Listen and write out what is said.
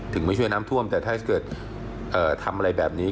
ไม่เชื่อน้ำท่วมแต่ถ้าเกิดทำอะไรแบบนี้